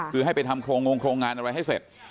คือให้ไปทำโครงงโรงงานอะไรให้เสร็จ